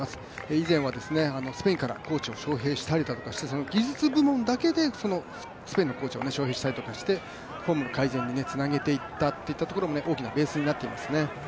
以前はスペインからコーチを招へいしたりと化して技術部門だけでスペインのコーチを招へいしたりしてフォームの改善につなげていったところも大きな改善につながっていますね。